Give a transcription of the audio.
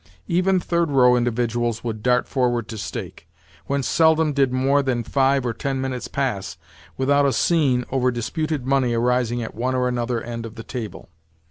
Even third row individuals would dart forward to stake; whence seldom did more than five or ten minutes pass without a scene over disputed money arising at one or another end of the table.